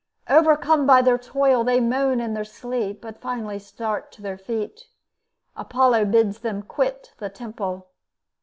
Overcome by their toil, they moan in their sleep, but finally start to their feet. Apollo bids them quit the temple.